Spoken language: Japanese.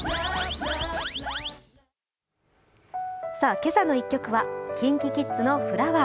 「けさの１曲」はＫｉｎＫｉＫｉｄｓの「フラワー」。